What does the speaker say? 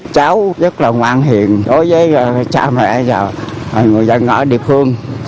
cháu rất là ngoan hiện đối với cha mẹ và người dân ở địa phương